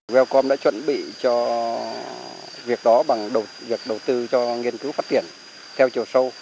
wellcom đã chuẩn bị cho việc đó bằng việc đầu tư cho nghiên cứu phát triển theo chiều sâu